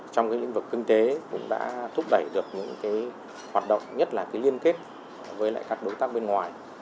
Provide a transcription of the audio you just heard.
trong cái lĩnh vực kinh tế cũng đã thúc đẩy được những cái hoạt động nhất là cái liên kết với lại các đối tác bên ngoài